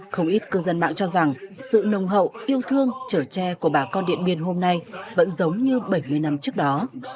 không ít cư dân mạng cho rằng sự nồng hậu yêu thương trở tre của bà con điện biên hôm nay vẫn giống như bảy mươi năm trước đó